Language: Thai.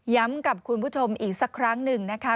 กับคุณผู้ชมอีกสักครั้งหนึ่งนะคะ